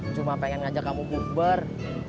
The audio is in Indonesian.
cuma pengen ngajak kamu bukber